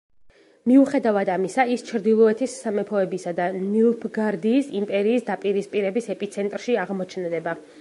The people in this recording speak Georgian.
მიუხედავად ამისა ის ჩრდილოეთის სამეფოებისა და ნილფგაარდის იმპერიის დაპირისპირების ეპიცენტრში აღმოჩნდება.